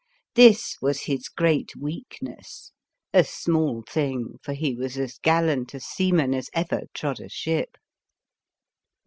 This was his great weakness — a small thing, for he was as gallant a seaman as ever trod a ship.